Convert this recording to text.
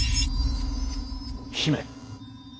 姫。